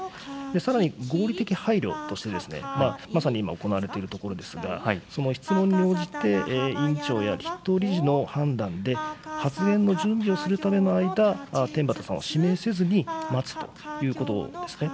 さらに合理的配慮ということで、まさに今、行われているところですが、その質問に応じて、委員長や筆頭理事の判断で、発言の準備をするための間、天畠さんを指名せずに待つということですね。